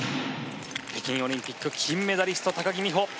北京オリンピック金メダリスト高木美帆。